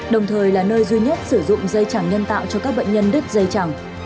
đồng thời là nơi duy nhất sử dụng dây chẳng nhân tạo cho các bệnh nhân đứt dây chẳng